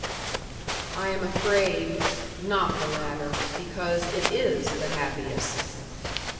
"I am afraid, NOT the latter, because it IS the happiest."